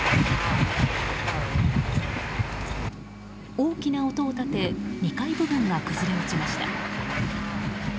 大きな音を立て２階部分が崩れ落ちました。